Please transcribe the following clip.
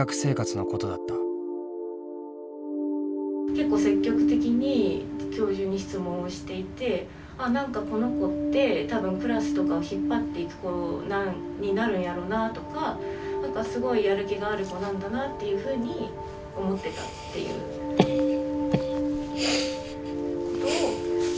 結構積極的に教授に質問をしていてあっ何かこの子って多分クラスとかを引っ張っていく子になるんやろうなとかすごいやる気がある子なんだなっていうふうに思ってたっていうことを言ってて。